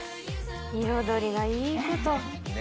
彩りがいいこと。